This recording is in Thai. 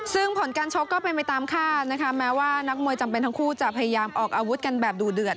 ซึ่งผลการชกก็เป็นไปตามคาดนะคะแม้ว่านักมวยจำเป็นทั้งคู่จะพยายามออกอาวุธกันแบบดูเดือด